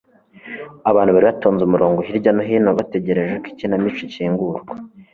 abantu bari batonze umurongo hirya no hino bategereje ko ikinamico ikingurwa